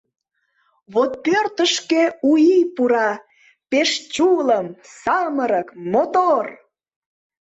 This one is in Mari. Вот пӧртышкӧ у ий пура, — Пеш чулым, самырык, мотор!